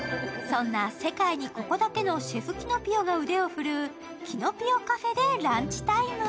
そんな世界にここだけのシェフキノピオが腕を振るうキノピオカフェでランチタイム。